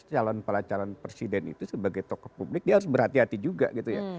calon para calon presiden itu sebagai tokoh publik dia harus berhati hati juga gitu ya